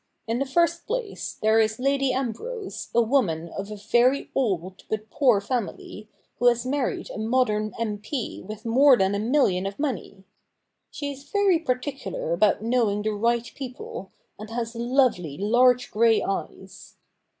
' In the first place, there is Lady Ambrose, a woman of a very old but poor family, who has married a modern M.P. with more than a million of money. She is ver} particular about know ing the right people, and has lovely, large grey eyes.